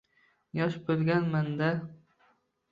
Yosh bo`lganman-da